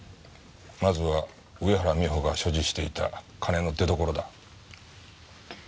まずは上原美帆が所持していた金の出所だ。